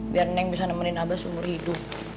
biar neng bisa nemenin abah seumur hidup